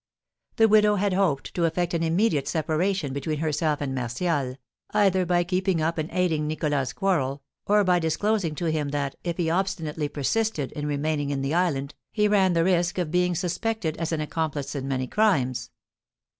The widow had hoped to effect an immediate separation between herself and Martial, either by keeping up and aiding Nicholas's quarrel, or by disclosing to him that, if he obstinately persisted in remaining in the island, he ran the risk of being suspected as an accomplice in many crimes.